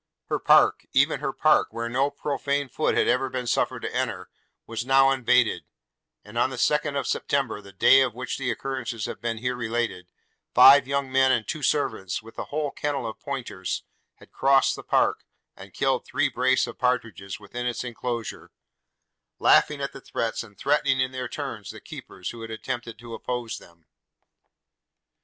Her park – even her park, where no profane foot had ever been suffered to enter, was now invaded; and on the second of September, the day of which the occurrences have been here related, five young men and two servants, with a whole kennel of pointers, had crossed the park, and killed three brace of partridges within its enclosure, laughing at the threats, and threatening in their turns the keepers who had attempted to oppose them.